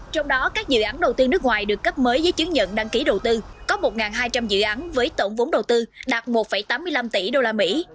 trong đó các dự án đầu tư nước ngoài được cấp mới giấy chứng nhận đăng ký đầu tư có một hai trăm linh dự án với tổng vốn đầu tư đạt một tám mươi năm tỷ đô la mỹ